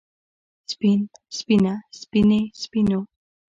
سپين سپينه سپينې سپينو